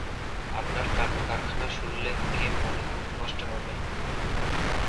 আপনার কাণ্ডকারখানা শুনলে কে মনে খুব কষ্ট পাবেন?